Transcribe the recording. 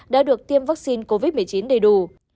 đã được tiêm vaccine covid một mươi chín đầy đủ